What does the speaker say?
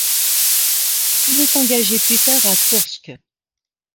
Il est engagé plus tard à Koursk.